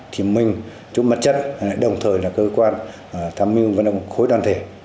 thì mình chung mặt chất đồng thời là cơ quan tham mưu vận động khối đoàn thể